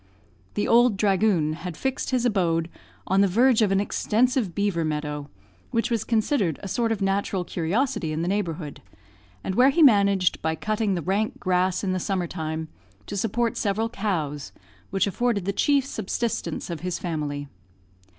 The old dragoon had fixed his abode on the verge of an extensive beaver meadow, which was considered a sort of natural curiosity in the neighbourhood; and where he managed, by cutting the rank grass in the summer time, to support several cows, which afforded the chief subsistence of his family.